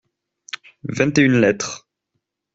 Vingt et une lettres.